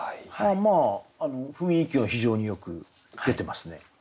まあ雰囲気は非常によく出てますね。